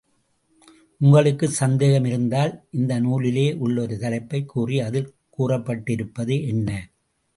உங்களுக்குச் சந்தேகம் இருந்தால், இந்த நூலிலே உள்ள ஒரு தலைப்பைக் கூறி, அதில் கூறப்பட்டிருப்பது என்ன?